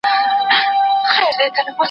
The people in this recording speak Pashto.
زه اوس ونې ته اوبه ورکوم؟!